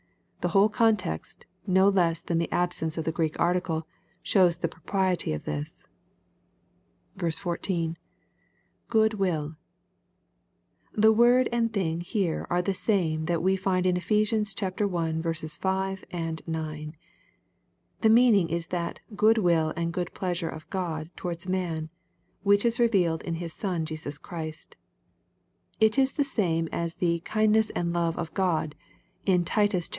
The whole context, no less thftn the absence of the Greek article, shows the propriety oi' this. 14. — [Chod tuiU,] The word and thing here are the same that we find in Ephes. i. 5, 9. The meaning is that '' good will and good pleasure of God" towards man, which is revealed in His Son Jesus Christ. — It is the same as the "kindness and love of God" in Titus iii.